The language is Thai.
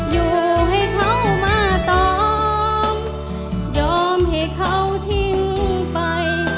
อยู่ให้เขามาตอมยอมให้เขาทิ้งไป